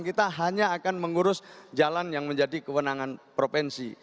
kita hanya akan mengurus jalan yang menjadi kewenangan provinsi